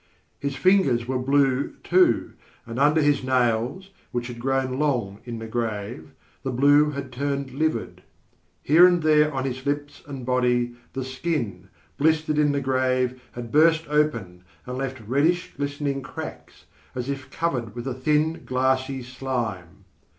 His fingers were blue, too, and under his nails, which had grown long in the grave, the blue had turned livid. Here and there on his lips and body, the skin, blistered in the grave, had burst open and left reddish glistening cracks, as if covered with a thin, glassy slime.